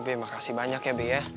be makasih banyak ya be ya